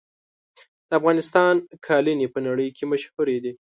د افغانستان قالینې په نړۍ کې مشهورې دي.